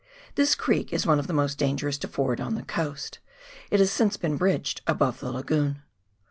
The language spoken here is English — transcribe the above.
This creek is one of the most dangerous to ford on the coast; it has since been bridged above the lagoon.